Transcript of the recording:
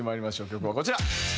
曲はこちら。